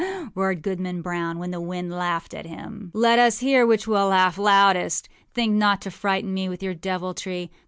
â roared Goodman Brown when the wind laughed at him. âLet us hear which will laugh loudest. Think not to frighten me with your deviltry.